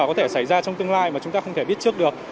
có thể xảy ra trong tương lai mà chúng ta không thể biết trước được